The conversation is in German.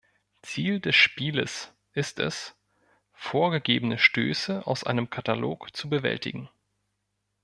Ziel des Spieles ist es, vorgegebene Stöße aus einem Katalog zu bewältigen.